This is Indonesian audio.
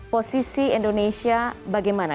posisi indonesia bagaimana